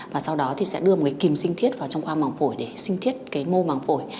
và sau đó sẽ đưa một kìm sinh thiết vào trong khoang măng phổi để sinh thiết mô măng phổi